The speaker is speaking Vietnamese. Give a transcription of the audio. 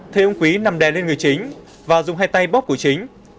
thấy ông quý nằm đè lên người chính và dùng hai tay bóp của chính